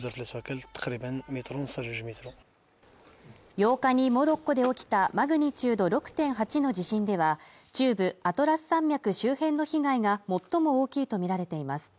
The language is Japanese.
８日にモロッコで起きたマグニチュード６．８の地震では中部アトラス山脈周辺の被害が最も大きいと見られています